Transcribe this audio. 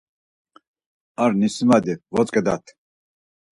Ar nisimadi votzǩedat.